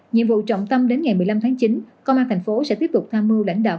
nhiệm vụ trọng tâm đến ngày một mươi năm tháng chín công an thành phố sẽ tiếp tục tham mưu lãnh đạo